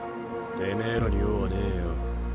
てめえらに用はねえよ。